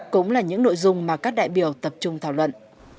cũng là những nội dung mà các đại biểu tập trung thảo luận